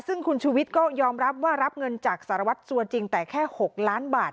ซึ่งคุณชูวิทย์ก็ยอมรับว่ารับเงินจากสารวัตรสัวจริงแต่แค่๖ล้านบาท